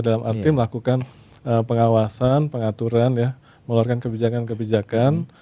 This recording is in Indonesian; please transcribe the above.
dalam arti melakukan pengawasan pengaturan mengeluarkan kebijakan kebijakan